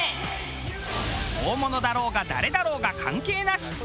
大物だろうが誰だろうが関係なし！